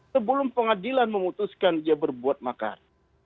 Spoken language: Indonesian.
sebelum pengadilan memutuskan dia berbuat makar